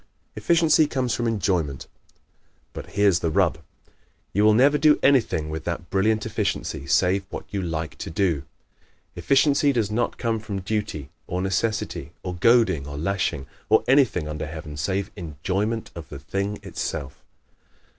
Efficiency Comes from Enjoyment ¶ But here's the rub. You will never do anything with that brilliant efficiency save what you LIKE TO DO. Efficiency does not come from duty, or necessity, or goading, or lashing, or anything under heaven save ENJOYMENT OF THE THING ITSELF.